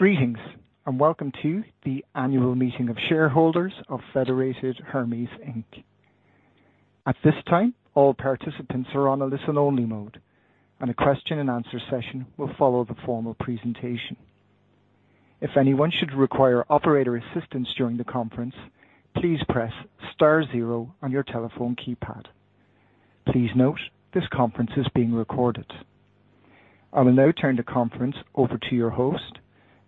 Greetings, and welcome to the annual meeting of shareholders of Federated Hermes, Inc. At this time, all participants are on a listen-only mode, and a question and answer session will follow the formal presentation. If anyone should require operator assistance during the conference, please press star zero on your telephone keypad. Please note, this conference is being recorded. I will now turn the conference over to your host,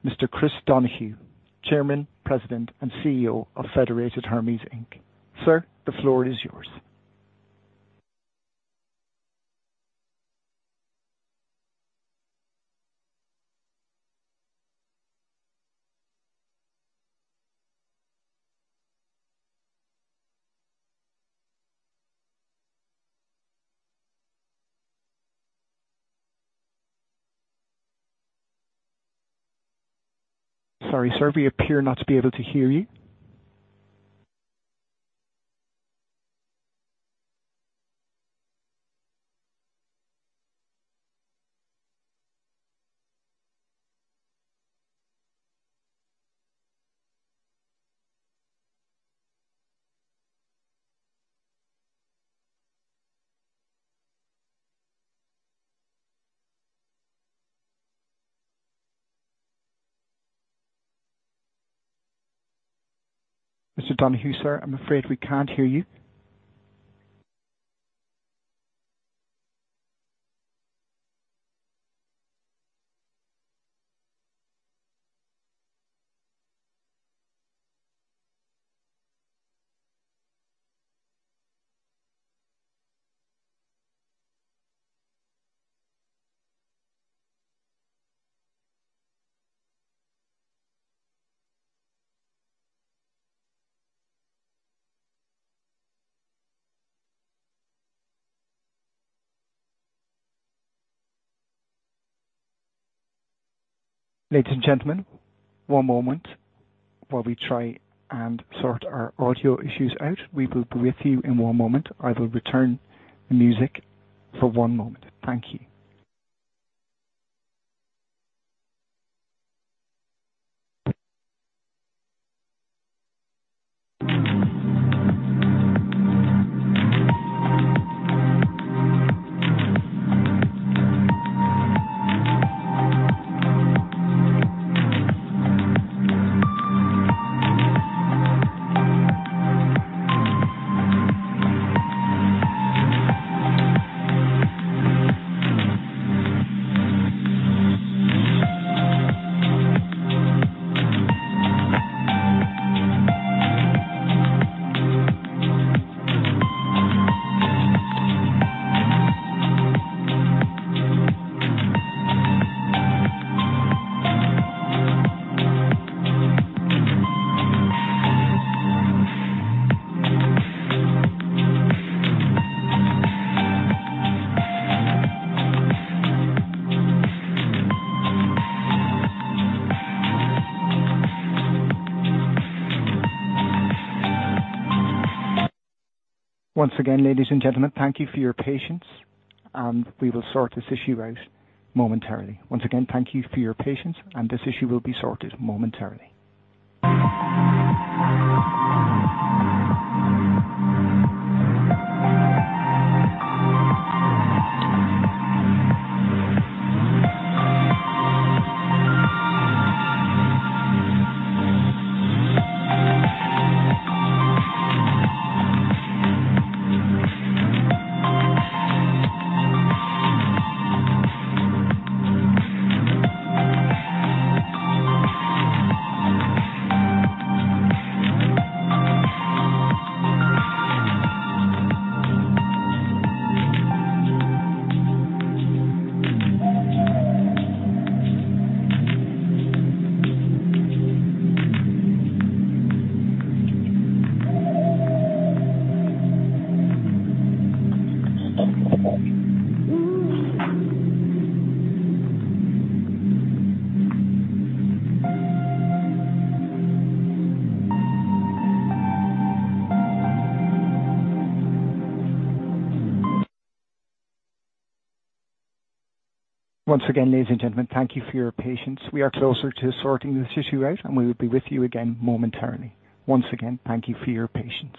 Mr. Chris Donahue, Chairman, President, and CEO of Federated Hermes, Inc. Sir, the floor is yours. Sorry, sir, we appear not to be able to hear you. Mr. Donahue, sir, I'm afraid we can't hear you. Ladies and gentlemen, one moment while we try and sort our audio issues out. We will be with you in one moment. I will return the music for one moment. Thank you. Once again, ladies and gentlemen, thank you for your patience, and we will sort this issue out momentarily. Once again, thank you for your patience, and this issue will be sorted momentarily. Once again, ladies and gentlemen, thank you for your patience. We are closer to sorting this issue out, and we will be with you again momentarily. Once again, thank you for your patience.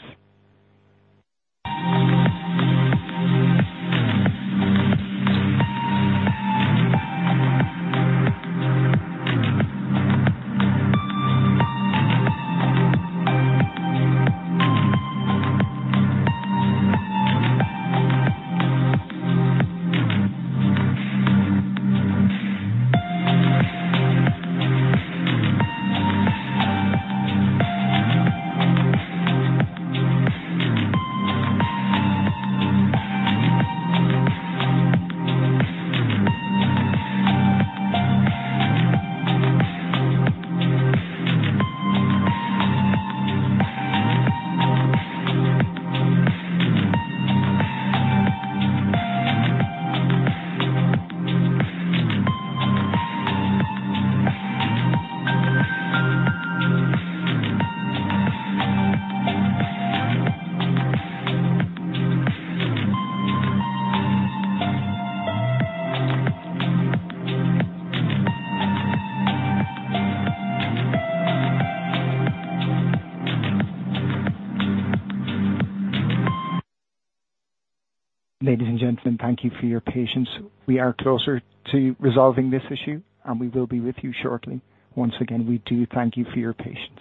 Ladies and gentlemen, thank you for your patience. We are closer to resolving this issue, and we will be with you shortly. Once again, we do thank you for your patience.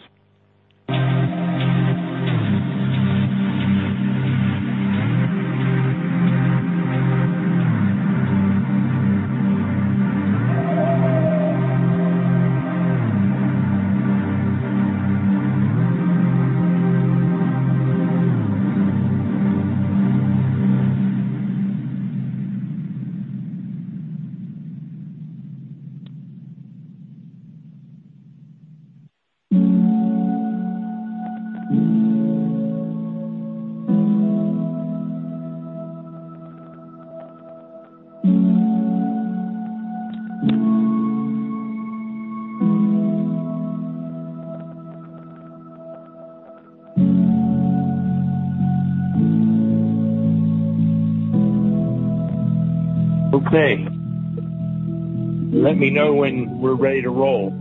Okay, let me know when we're ready to roll.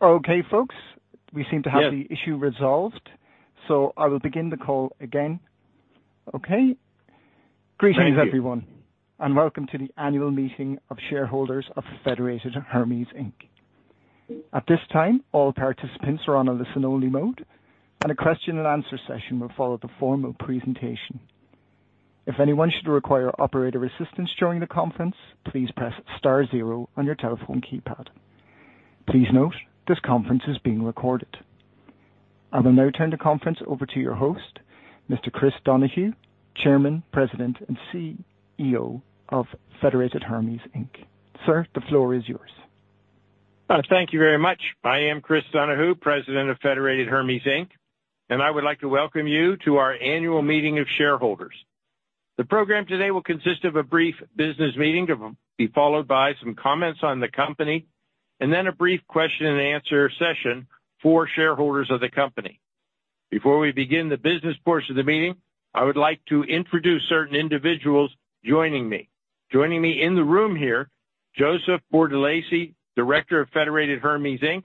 Okay, folks, we seem to have the- Yes. Issue resolved, so I will begin the call again. Okay. Thank you. Greetings, everyone, and welcome to the annual meeting of shareholders of Federated Hermes, Inc. At this time, all participants are on a listen-only mode, and a question and answer session will follow the formal presentation. If anyone should require operator assistance during the conference, please press star zero on your telephone keypad. Please note, this conference is being recorded. I will now turn the conference over to your host, Mr. Chris Donahue, Chairman, President, and CEO of Federated Hermes, Inc. Sir, the floor is yours. Thank you very much. I am Chris Donahue, President of Federated Hermes Inc., and I would like to welcome you to our annual meeting of shareholders. The program today will consist of a brief business meeting to be followed by some comments on the company, and then a brief question and answer session for shareholders of the company. Before we begin the business portion of the meeting, I would like to introduce certain individuals joining me. Joining me in the room here, Joseph Bartolacci, Director of Federated Hermes Inc.,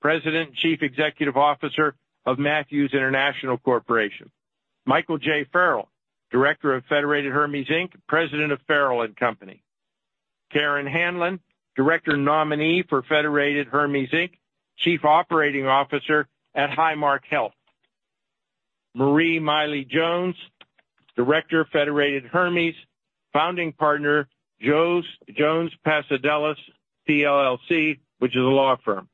President and Chief Executive Officer of Matthews International Corporation. Michael J. Farrell, Director of Federated Hermes Inc., President of Farrell and Company. Karen Hanlon, Director nominee for Federated Hermes Inc., Chief Operating Officer at Highmark Health. Marie Milie Jones, Director of Federated Hermes, Founding Partner of Jones Passodelis, PLLC, which is a law firm.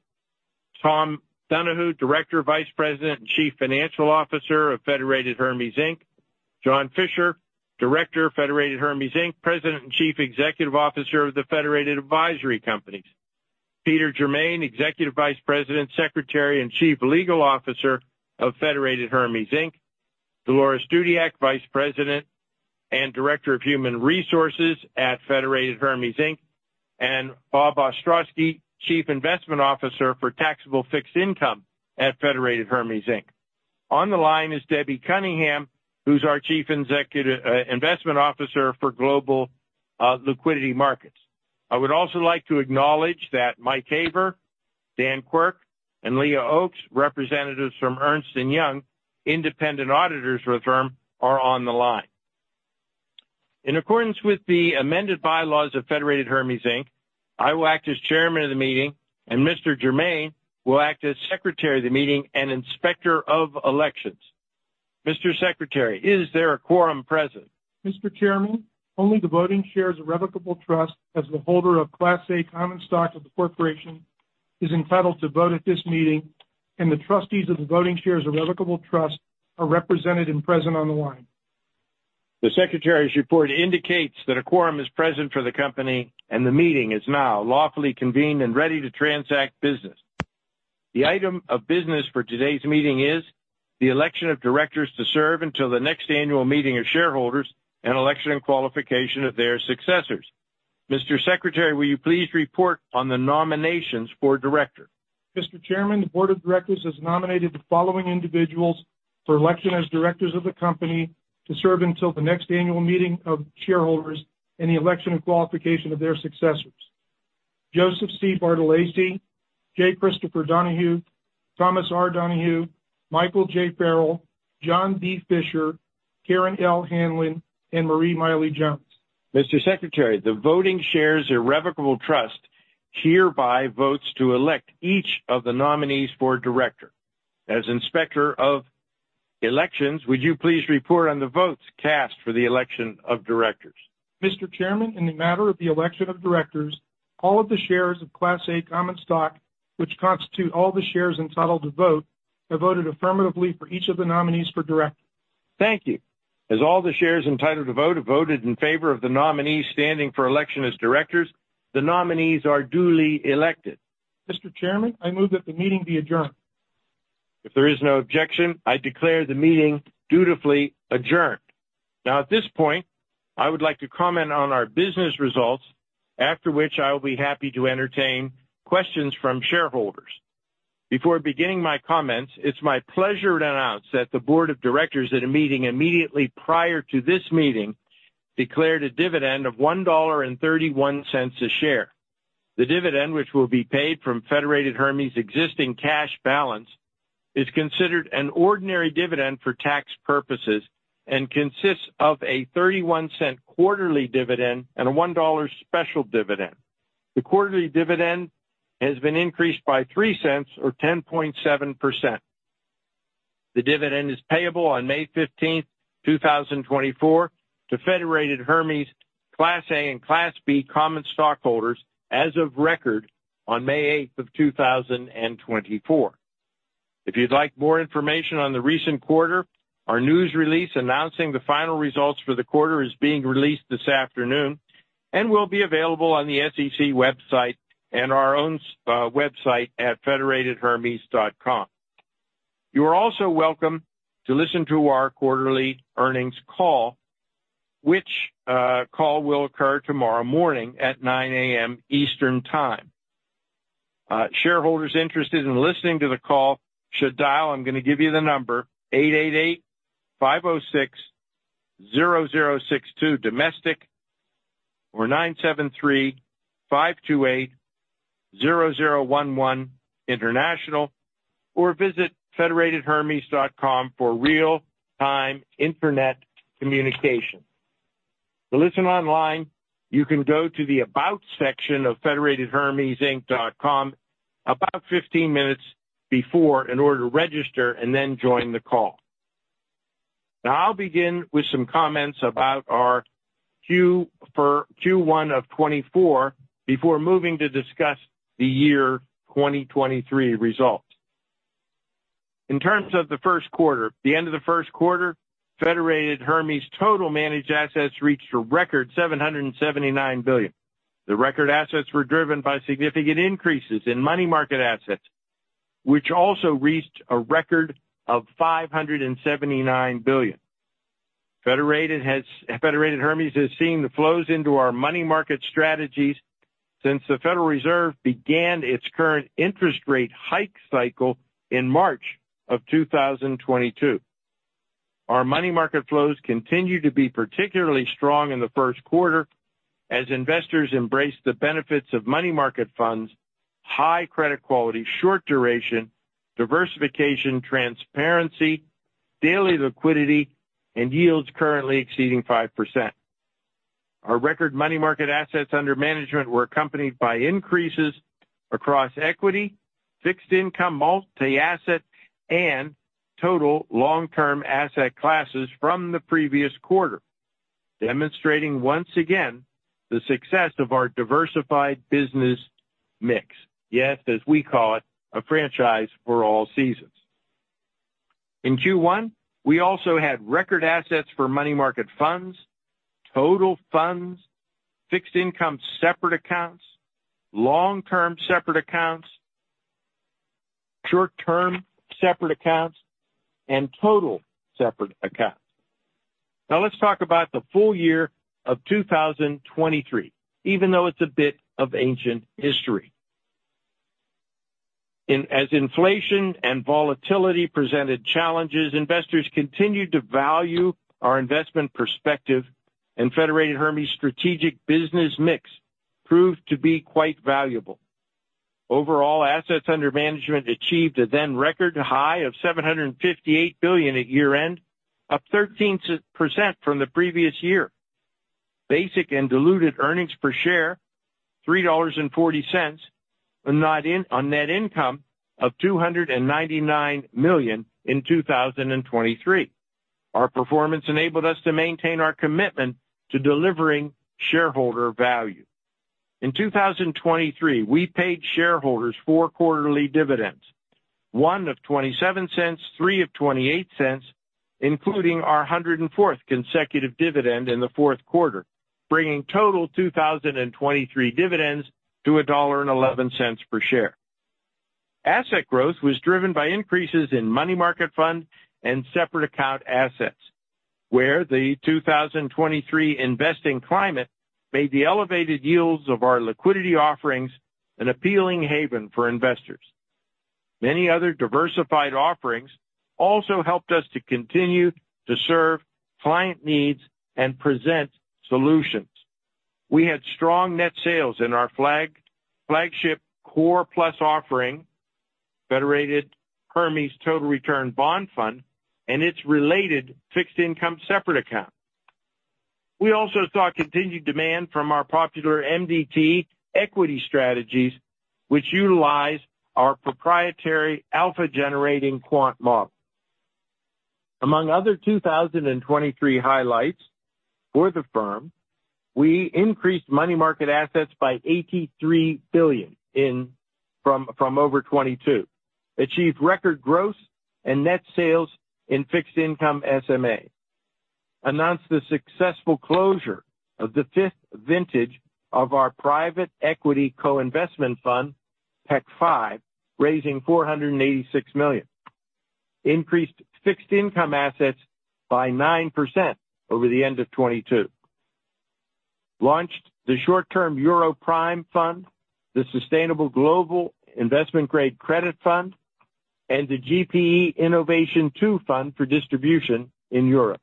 Tom Donahue, Director, Vice President, and Chief Financial Officer of Federated Hermes Inc. John B. Fisher, Director, Federated Hermes Inc., President, and Chief Executive Officer of the Federated Advisory Companies. Peter J. Germain, Executive Vice President, Secretary, and Chief Legal Officer of Federated Hermes Inc. Dolores Dudiak, Vice President and Director of Human Resources at Federated Hermes Inc. Bob Ostrowski, Chief Investment Officer for Taxable Fixed Income at Federated Hermes Inc. On the line is Debbie Cunningham, who's our Chief Executive, Investment Officer for Global Liquidity Markets. I would also like to acknowledge that Mike Haber, Dan Quirk, and Leah Oakes, representatives from Ernst & Young, independent auditors with firm, are on the line. In accordance with the amended bylaws of Federated Hermes Inc., I will act as chairman of the meeting, and Mr. Germain will act as secretary of the meeting and inspector of elections. Mr. Secretary, is there a quorum present? Mr. Chairman, only the Voting Shares Irrevocable Trust, as the holder of Class A common stock of the corporation, is entitled to vote at this meeting, and the trustees of the Voting Shares Irrevocable Trust are represented and present on the line. The secretary's report indicates that a quorum is present for the company, and the meeting is now lawfully convened and ready to transact business. The item of business for today's meeting is the election of directors to serve until the next annual meeting of shareholders and election and qualification of their successors. Mr. Secretary, will you please report on the nominations for director? Mr. Chairman, the board of directors has nominated the following individuals for election as directors of the company to serve until the next annual meeting of shareholders and the election and qualification of their successors. Joseph C. Bartolacci, J. Christopher Donahue, Thomas R. Donahue, Michael J. Farrell, John B. Fisher, Karen L. Hanlon, and Marie Milie Jones. Mr. Secretary, the Voting Shares Irrevocable Trust hereby votes to elect each of the nominees for director. As Inspector of Elections, would you please report on the votes cast for the election of directors? Mr. Chairman, in the matter of the election of directors, all of the shares of Class A common stock, which constitute all the shares entitled to vote, have voted affirmatively for each of the nominees for director. Thank you. As all the shares entitled to vote have voted in favor of the nominees standing for election as directors, the nominees are duly elected. Mr. Chairman, I move that the meeting be adjourned.... If there is no objection, I declare the meeting dutifully adjourned. Now, at this point, I would like to comment on our business results, after which I will be happy to entertain questions from shareholders. Before beginning my comments, it's my pleasure to announce that the board of directors, at a meeting immediately prior to this meeting, declared a dividend of $1.31 a share. The dividend, which will be paid from Federated Hermes' existing cash balance, is considered an ordinary dividend for tax purposes and consists of a $0.30 quarterly dividend and a $1 special dividend. The quarterly dividend has been increased by $0.03 or 10.7%. The dividend is payable on May 15th, 2024, to Federated Hermes Class A and Class B common stockholders as of record on May eighth, 2024. If you'd like more information on the recent quarter, our news release announcing the final results for the quarter is being released this afternoon, and will be available on the SEC website and our own website at federatedhermes.com. You are also welcome to listen to our quarterly earnings call, which call will occur tomorrow morning at 9:00 A.M. Eastern Time. Shareholders interested in listening to the call should dial, I'm gonna give you the number, 888-506-0062, domestic, or 973-528-0011, international, or visit federatedhermes.com for real-time internet communication. To listen online, you can go to the About section of federatedhermesinc.com about 15 minutes before in order to register and then join the call. Now, I'll begin with some comments about our Q1 of 2024 before moving to discuss the year 2023 results. In terms of the first quarter, the end of the first quarter, Federated Hermes' total managed assets reached a record $779 billion. The record assets were driven by significant increases in money market assets, which also reached a record of $579 billion. Federated Hermes has seen the flows into our money market strategies since the Federal Reserve began its current interest rate hike cycle in March of 2022. Our money market flows continued to be particularly strong in the first quarter as investors embraced the benefits of money market funds, high credit quality, short duration, diversification, transparency, daily liquidity, and yields currently exceeding 5%. Our record money market assets under management were accompanied by increases across equity, fixed income, multi-asset, and total long-term asset classes from the previous quarter, demonstrating once again the success of our diversified business mix, yes, as we call it, a franchise for all seasons. In Q1, we also had record assets for money market funds, total funds, fixed income separate accounts, long-term separate accounts, short-term separate accounts, and total separate accounts. Now let's talk about the full year of 2023, even though it's a bit of ancient history. In, as inflation and volatility presented challenges, investors continued to value our investment perspective, and Federated Hermes' strategic business mix proved to be quite valuable. Overall, assets under management achieved a then record high of $758 billion at year-end, up 13% from the previous year. Basic and diluted earnings per share, $3.40, on net income of $299 million in 2023. Our performance enabled us to maintain our commitment to delivering shareholder value. In 2023, we paid shareholders four quarterly dividends, one of $0.27, three of $0.28, including our 104th consecutive dividend in the fourth quarter, bringing total 2023 dividends to $1.11 per share. Asset growth was driven by increases in money market fund and separate account assets, where the 2023 investing climate made the elevated yields of our liquidity offerings an appealing haven for investors. Many other diversified offerings also helped us to continue to serve client needs and present solutions. We had strong net sales in our flagship Core Plus offering, Federated Hermes Total Return Bond Fund, and its related fixed income separate account. We also saw continued demand from our popular MDT equity strategies, which utilize our proprietary alpha-generating quant model. Among other 2023 highlights for the firm, we increased money market assets by $83 billion from over $22 billion, achieved record gross and net sales in fixed income SMA, announced the successful closure of the fifth vintage of our private equity co-investment fund, PEC V, raising $486 million. Increased fixed income assets by 9% over the end of 2022. Launched the Short-Term Euro Prime Fund, the Sustainable Global Investment Grade Credit Fund, and the GPE Innovation Fund II for distribution in Europe.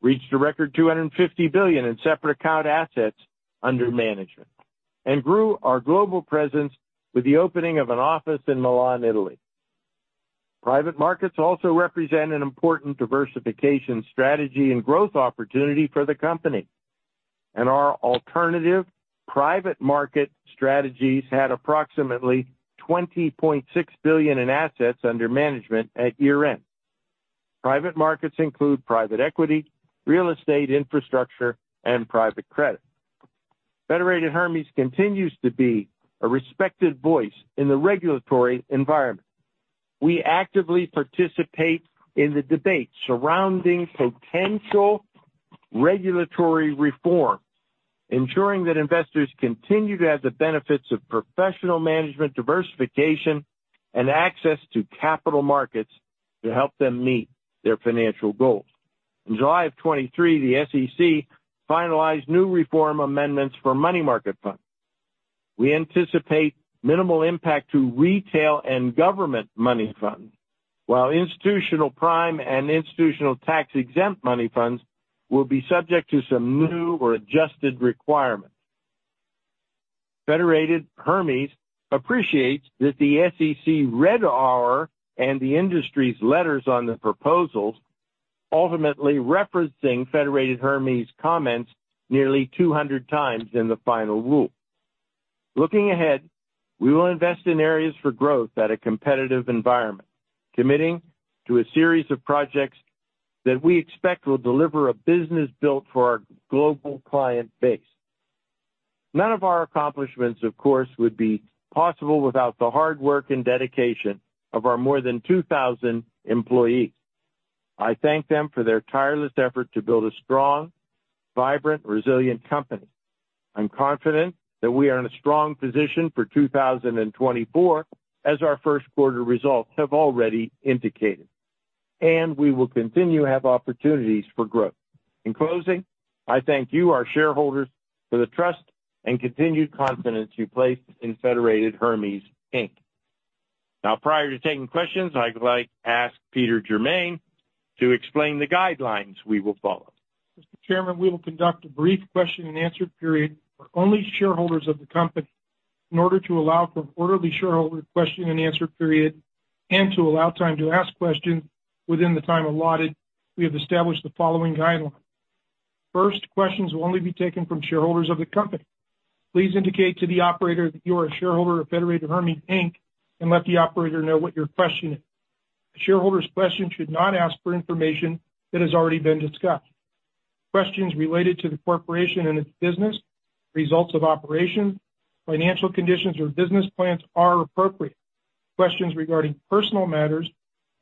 Reached a record $250 billion in separate account assets under management, and grew our global presence with the opening of an office in Milan, Italy. Private markets also represent an important diversification strategy and growth opportunity for the company, and our alternative private market strategies had approximately $20.6 billion in assets under management at year-end. Private markets include private equity, real estate, infrastructure, and private credit. Federated Hermes continues to be a respected voice in the regulatory environment. We actively participate in the debate surrounding potential regulatory reform, ensuring that investors continue to have the benefits of professional management, diversification, and access to capital markets to help them meet their financial goals. In July of 2023, the SEC finalized new reform amendments for money market funds. We anticipate minimal impact to retail and government money funds, while institutional prime and institutional tax-exempt money funds will be subject to some new or adjusted requirements. Federated Hermes appreciates that the SEC read our and the industry's letters on the proposals, ultimately referencing Federated Hermes comments nearly 200 times in the final rule. Looking ahead, we will invest in areas for growth at a competitive environment, committing to a series of projects that we expect will deliver a business built for our global client base. None of our accomplishments, of course, would be possible without the hard work and dedication of our more than 2,000 employees. I thank them for their tireless effort to build a strong, vibrant, resilient company. I'm confident that we are in a strong position for 2024, as our first quarter results have already indicated, and we will continue to have opportunities for growth. In closing, I thank you, our shareholders, for the trust and continued confidence you placed in Federated Hermes, Inc. Now, prior to taking questions, I'd like to ask Peter J. Germain to explain the guidelines we will follow. Mr. Chairman, we will conduct a brief question-and-answer period for only shareholders of the company in order to allow for an orderly shareholder question-and-answer period and to allow time to ask questions within the time allotted. We have established the following guidelines. First, questions will only be taken from shareholders of the company. Please indicate to the operator that you are a shareholder of Federated Hermes Inc., and let the operator know what your question is. A shareholder's question should not ask for information that has already been discussed. Questions related to the corporation and its business, results of operations, financial conditions, or business plans are appropriate. Questions regarding personal matters,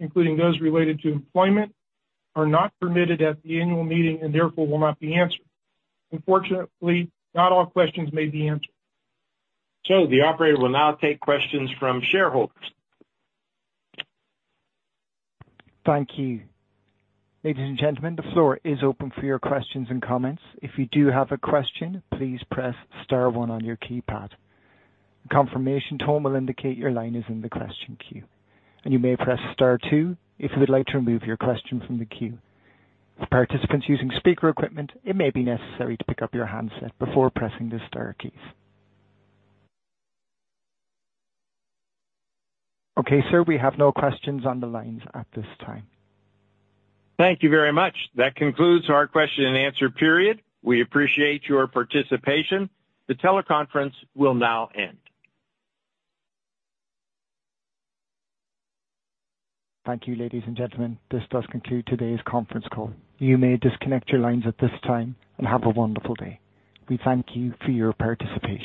including those related to employment, are not permitted at the annual meeting and therefore will not be answered. Unfortunately, not all questions may be answered. The operator will now take questions from shareholders. Thank you. Ladies and gentlemen, the floor is open for your questions and comments. If you do have a question, please press star one on your keypad. Confirmation tone will indicate your line is in the question queue, and you may press star two if you would like to remove your question from the queue. For participants using speaker equipment, it may be necessary to pick up your handset before pressing the star keys. Okay, sir, we have no questions on the lines at this time. Thank you very much. That concludes our question-and-answer period. We appreciate your participation. The teleconference will now end. Thank you, ladies and gentlemen. This does conclude today's conference call. You may disconnect your lines at this time and have a wonderful day. We thank you for your participation.